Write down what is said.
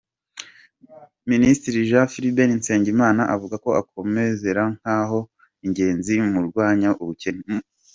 Minisitiri Jean Philbert Nsengimana avuga ko amasezerano nk’aya ari ingenzi mu kurwanya ubukene.